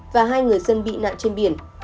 và hai người dân bị nạn trên biển